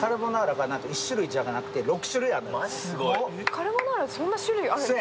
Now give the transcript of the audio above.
カルボナーラ、そんな種類あるんですか。